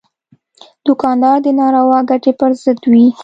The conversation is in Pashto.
دوکاندار د ناروا ګټې پر ضد وي.